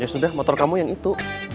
ya sudah motor kamu yang itu